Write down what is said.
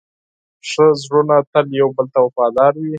ښه زړونه تل یو بل ته وفادار وي.